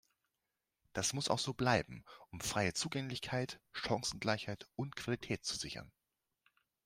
Das muss auch so bleiben, um freie Zugänglichkeit, Chancengleichheit und Qualität zu sichern.